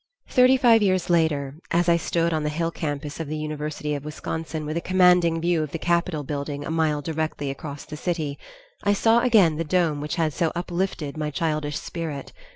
Thirty five years later, as I stood on the hill campus of the University of Wisconsin with a commanding view of the capitol building a mile directly across the city, I saw again the dome which had so uplifted my childish spirit.